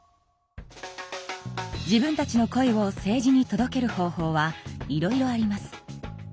自分たちの声を政治に届ける方法はいろいろあります。